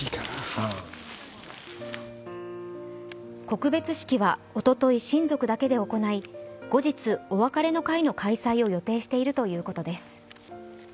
告別式はおととい親族だけで行い、後日お別れの会の開催を予定しているということです。